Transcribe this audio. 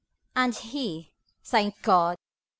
d. And he thank God!